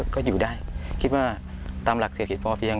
ก็อยู่ได้คิดว่าตามหลักเศรษฐกิจพอเพียง